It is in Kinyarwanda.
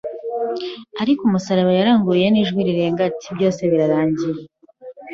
Ari ku musaraba yaranguruye n’ijwi rirenga ati ‘’Byose birarangiye.